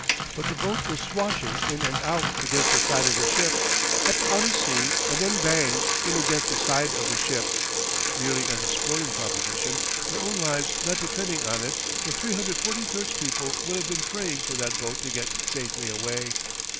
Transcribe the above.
But the boat was swashing in and out against the side of the ship up on a sea and then bang! in against the side of the ship. Merely as a sporting proposition, their own lives not depending on it, the 343's people would have been praying for that boat to get safely away.